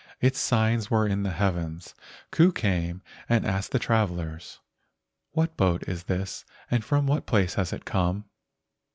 Its signs were in the heavens. Ku came and asked the travellers, " What boat is this, and from what place has it come?"